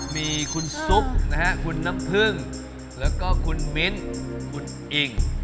มีคุณซุปนะฮะคุณน้ำพึ่งแล้วก็คุณมิ้นคุณอิ่ง